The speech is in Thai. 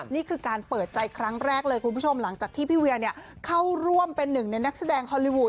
นี่คือการเปิดใจครั้งแรกเลยคุณผู้ชมหลังจากที่พี่เวียเข้าร่วมเป็นหนึ่งในนักแสดงฮอลลี่วูด